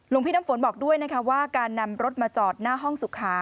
พี่น้ำฝนบอกด้วยนะคะว่าการนำรถมาจอดหน้าห้องสุขา